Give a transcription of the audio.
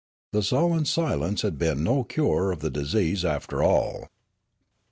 The sullen silence had been no cure of the disease after all.